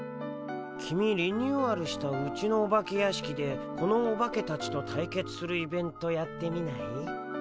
キミリニューアルしたうちのお化け屋敷でこのオバケたちと対決するイベントやってみない？